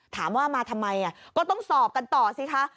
ถามว่ามาทำไมก็ต้องสอบกันต่อสิคะ